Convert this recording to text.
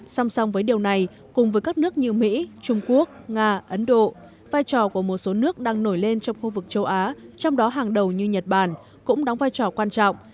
song song với điều này cùng với các nước như mỹ trung quốc nga ấn độ vai trò của một số nước đang nổi lên trong khu vực châu á trong đó hàng đầu như nhật bản cũng đóng vai trò quan trọng